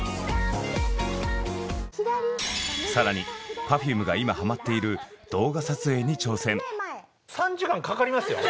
更にＰｅｒｆｕｍｅが今ハマっている動画撮影に挑戦！